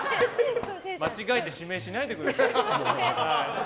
間違えて指名しないでください。